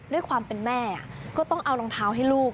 ด้วยความเป็นแม่ก็ต้องเอารองเท้าให้ลูก